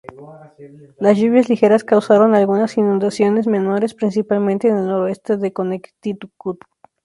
Las lluvias ligeras causaron algunas inundaciones menores, principalmente en el noroeste de Connecticut.